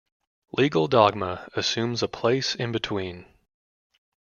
Legal dogma assumes a place in between.